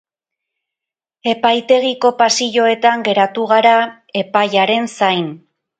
Epaitegiko pasilloetan geratu gara epaiaren zain.